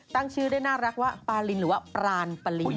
ตั้งชื่อได้น่ารักว่าปารินหรือว่าปรานปาริน